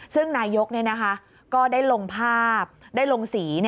ซึ่งนายกก็ได้ลงภาพได้ลงสี